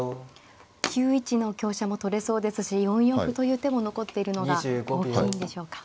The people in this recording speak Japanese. ９一の香車も取れそうですし４四歩という手も残っているのが大きいんでしょうか。